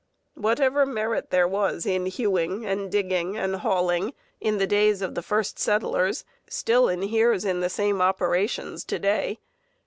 Whatever merit there was in hewing and digging and hauling in the days of the first settlers still inheres in the same operations to day.